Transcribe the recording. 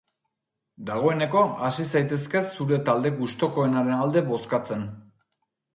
Dagoeneko hasi zaitezke zure talde gustokoenaren alde bozkatzen.